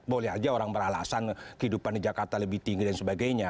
boleh aja orang beralasan kehidupan di jakarta lebih tinggi dan sebagainya